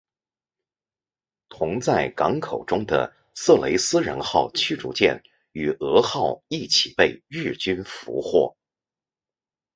同在港口中的色雷斯人号驱逐舰与蛾号一起被日军俘获。